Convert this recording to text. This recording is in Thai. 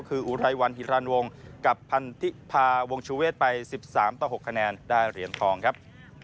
คืออุไรวันฮิรันวงกับพันธิพาวงชูเวศไป๑๓ต่อ๖คะแนนได้เหรียญทองครับ